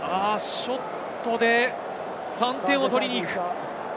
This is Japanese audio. ショットで３点を取りに行く。